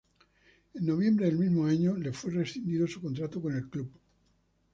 En noviembre del mismo año le fue rescindido su contrato con el club.